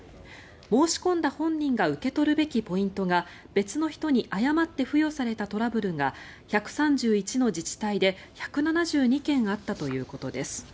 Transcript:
申し込んだ本人が受け取るべきポイントが別の人に誤って付与されたトラブルが１３１の自治体で１７２件あったということです。